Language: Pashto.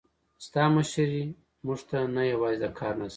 ستا مشري موږ ته نه یوازې د کار نظم،